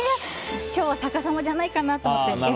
今日は逆さまじゃないかなと思って。